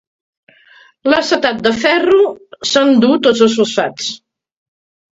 L'acetat de ferro s'endú tot els fosfats.